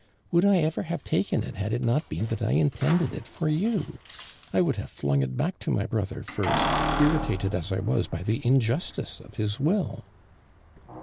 " Would I ever have taken it had it not been that I intended it for you? I would have flun^ it back to my brother first, irritated as I was by the injustice of his will."